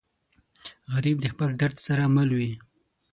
غریب د خپل درد سره مل وي